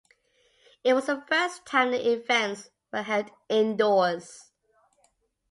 It was the first time the events were held indoors.